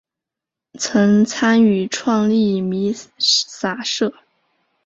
曾参与创立弥洒社。